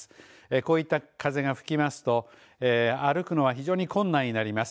こういった風が吹きますと歩くのは非常に困難になります。